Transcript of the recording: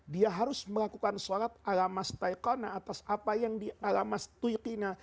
dia harus melakukan sholat alamastaiqona atas apa yang di alamastuikina